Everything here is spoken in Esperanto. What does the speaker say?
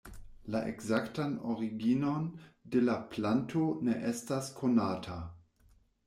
La ekzaktan originon de la planto ne estas konata.